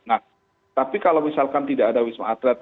nah tapi kalau misalkan tidak ada wisma atlet